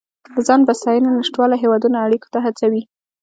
د ځان بسیاینې نشتوالی هیوادونه اړیکو ته هڅوي